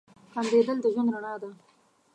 • خندېدل د ژوند رڼا ده.